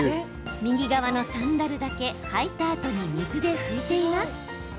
右側のサンダルだけ履いたあとに水で拭いています。